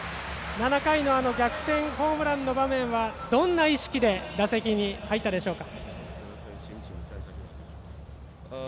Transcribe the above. ７回のあの逆転のホームランの場面はどんな意識で打席に入ったでしょうか。